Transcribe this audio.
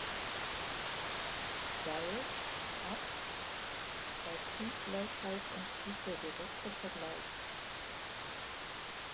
Deild" ab, bei Punktgleichheit entschied der direkte Vergleich.